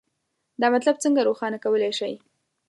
دا مطلب څنګه روښانه کولی شئ؟